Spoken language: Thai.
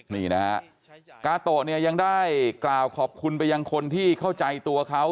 นี่นะฮะกาโตะเนี่ยยังได้กล่าวขอบคุณไปยังคนที่เข้าใจตัวเขา